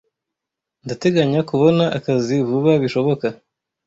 Ndateganya kubona akazi vuba bishoboka.